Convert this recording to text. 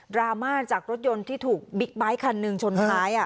ราม่าจากรถยนต์ที่ถูกบิ๊กไบท์คันหนึ่งชนท้าย